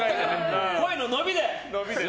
声の伸びでね。